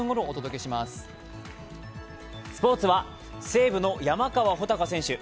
スポーツは西武の山川穂高選手。